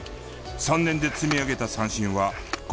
３年で積み上げた三振は５００以上。